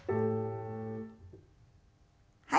はい。